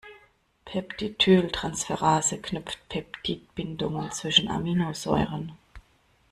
Peptidyltransferase knüpft Peptidbindungen zwischen Aminosäuren.